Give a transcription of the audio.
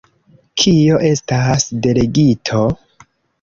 Kio estas delegito?